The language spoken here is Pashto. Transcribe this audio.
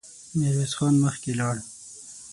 ميرويس خان مخکې لاړ.